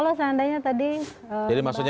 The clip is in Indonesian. tadinya anatif gantinya